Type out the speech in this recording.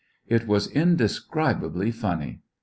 It was indescribably funny.